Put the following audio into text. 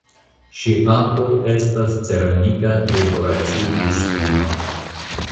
Ŝi ankaŭ estas ceramika dekoraciistino.